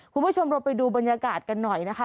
คุณผู้ชมเราไปดูบรรยากาศกันหน่อยนะคะ